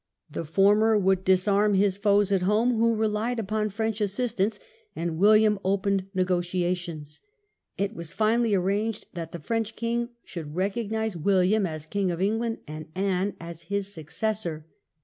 The former would disarm his foes at home, who relied upon French assistance, and William opened negotiations. It was finally arranged that the French king should recognize William as King of England and Anne as his successor.